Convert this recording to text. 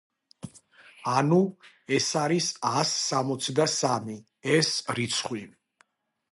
ანუ, ეს არის ას სამოცდასამი. ეს რიცხვი.